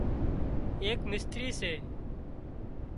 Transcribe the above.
ايڪ مستري سي